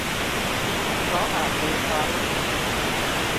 เพราะอาจมีทั้ง